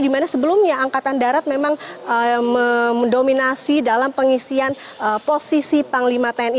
dimana sebelumnya angkatan darat memang mendominasi dalam pengisian posisi panglima tni